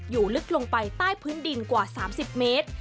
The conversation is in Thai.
อยู่ลึกลงไปใต้พื้นดินกว่า๓๐เมตร